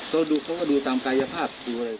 ก็ดูเขาก็ดูตามกายภาพ